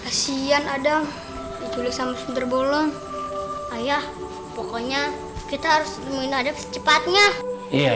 kasihan ada dikulit sama sundar bolong ayah pokoknya kita harus mencari cepatnya